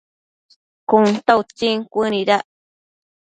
Cun ta utsin cuënuidac